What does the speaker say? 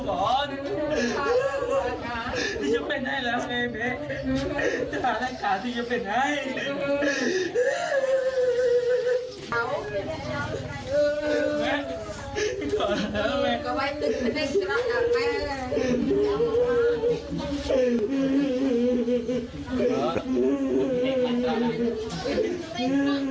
ก็พลึกมันเพื่อใจ